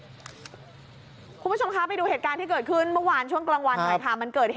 ครับคุณผู้ชมไปดูเหตุการณ์ที่เกิดขึ้นเมื่อวานช่วงกลางวัน